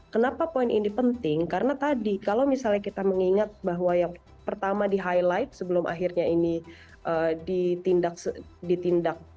kenapa poin ini penting karena tadi kalau misalnya kita mengingat bahwa yang pertama di highlight sebelum akhirnya ini ditindak